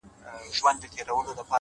د وجود غړي د هېواد په هديره كي پراته!!